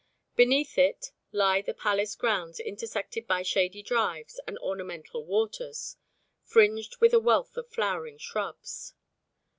Beneath it lie the palace grounds intersected by shady drives and ornamental waters fringed with a wealth of flowering shrubs.